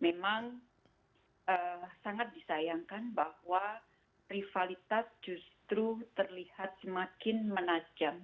memang sangat disayangkan bahwa rivalitas justru terlihat semakin menajam